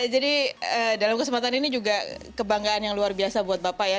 jadi dalam kesempatan ini juga kebanggaan yang luar biasa buat bapak ya